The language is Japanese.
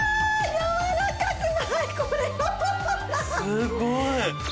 すごい。